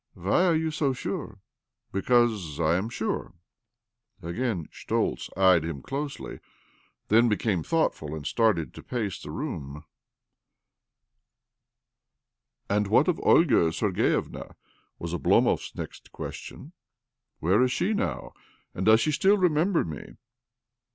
" Why are you so sure ?"" Because I am sure," Again Schtoltz eyed him closely, then became thoughtful, and started to pace the room. 292 obLomov "And what of Olga Sergievna?" was Oblomov's next question. " Where is she now, and does she still remember' me